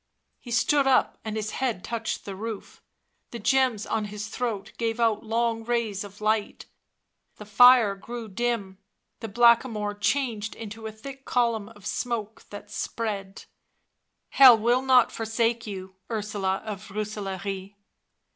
He stood up, and his head touched the roof; the gems on his throat gave out long rays of light ... the fire grew dim; the Blackamoor changed into a thick column of smoke ... that spread. ..." Hell will not forsake you, Ursula of Rooselaare."